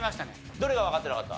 どれがわかってなかった？